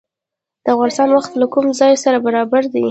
د افغانستان وخت له کوم ځای سره برابر دی؟